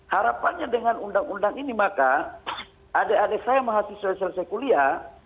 harapannya dengan undang undang ini maka adik adik saya mahasiswa selesai kuliah